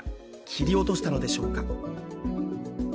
切り落としたのでしょうか。